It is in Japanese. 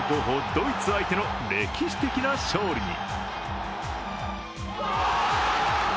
ドイツ相手の歴史的な勝利に。